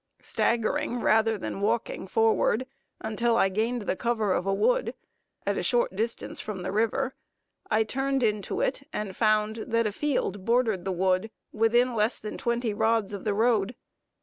Staggering, rather than walking forward, until I gained the cover of a wood, at a short distance from the river, I turned into it, and found that a field bordered the wood within less than twenty rods of the road.